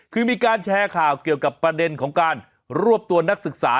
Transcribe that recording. คือมีการแชร์ข่าวเกี่ยวกับประเด็นของการรวบตัวนักศึกษา